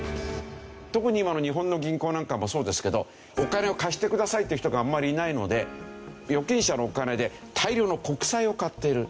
特に今の日本の銀行なんかもそうですけどお金を貸してくださいっていう人があまりいないので預金者のお金で大量の国債を買っている。